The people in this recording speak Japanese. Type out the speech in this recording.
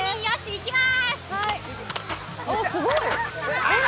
いきまーす！